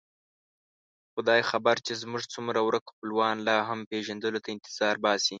خدای خبر چې زموږ څومره ورک خپلوان لا هم پېژندلو ته انتظار باسي.